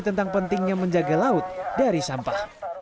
tentang pentingnya menjaga laut dari sampah